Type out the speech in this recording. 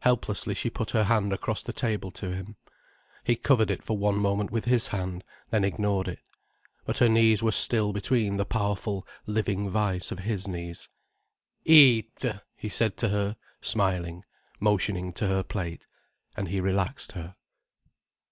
Helplessly she put her hand across the table to him. He covered it for one moment with his hand, then ignored it. But her knees were still between the powerful, living vice of his knees. "Eat!" he said to her, smiling, motioning to her plate. And he relaxed her.